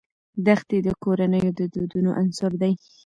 دښتې د کورنیو د دودونو عنصر دی.